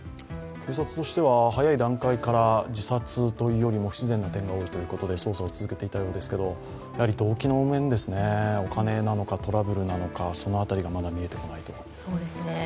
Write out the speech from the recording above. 警察としては早い段階から自殺というよりも不自然な点が多いということで捜査を続けていたようですがやはり動機の面ですね、お金なのかトラブルなのか、その辺りがまだ見えてこないと。